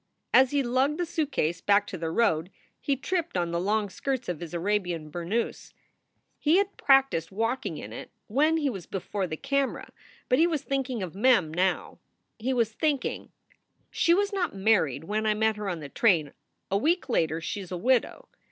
As he lugged the suitcase back to the road he tripped on the long skirts of his Arabian burnous. He had practiced SOULS FOR SALE 125 walking in it when he was before the camera, but he was thinking of Mem now. He was thinking: "She was not married when I met her on the train; a week later she is a widow.